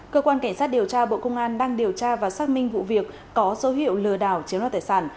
cơ quan cảnh sát điều tra bộ công an đang điều tra và xác minh vụ việc có dấu hiệu lừa đảo chiếm đoạt tài sản